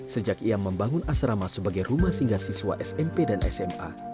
sejak ia membangun asrama sebagai rumah singgah siswa smp dan sma